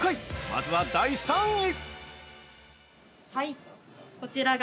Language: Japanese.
まずは第３位！